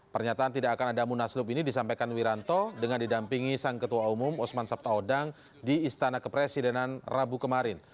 pernyataan tidak akan ada munaslup ini disampaikan wiranto dengan didampingi sang ketua umum osman sabtaodang di istana kepresidenan rabu kemarin